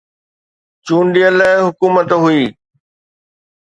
چونڊيل حڪومت هئي.